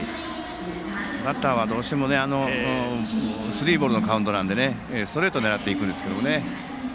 バッターはどうしてもスリーボールだったのでストレート狙っていくんですけど。